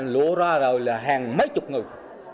lộ ra rồi là hàng mấy chục người